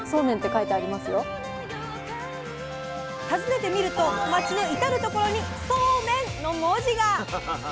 訪ねてみると街のいたる所にそうめんの文字が！